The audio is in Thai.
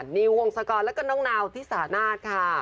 นิววงศกรแล้วก็น้องนาวที่สานาศค่ะ